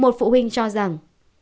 một phụ huynh cho rằng